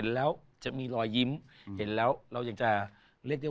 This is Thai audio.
ด้วยความรักด้วยพักดี